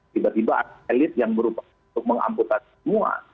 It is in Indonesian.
tiba tiba ada elit yang berupa untuk mengamputasi semua